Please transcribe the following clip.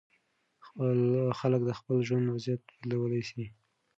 خلک د خپل ژوند وضعیت بدلولی سي.